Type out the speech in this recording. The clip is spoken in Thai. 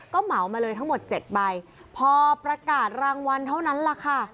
ก็เหมามาเลยทั้งหมดเจ็ดใบพอประกาศรางวัลเท่านั้นแหละค่ะ